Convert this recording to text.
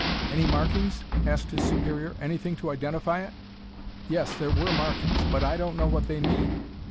"Any markings?" asked his superior. "Anything to identify it?" "Yes, there were markings, but I don't know what they mean.